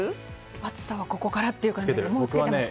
暑さはここからという感じでもうつけてますか。